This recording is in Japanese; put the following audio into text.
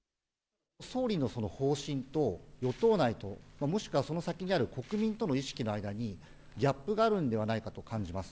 総理のその方針と、与党内と、もしくはその先にある国民との意識の間にギャップがあるのではないかと感じます。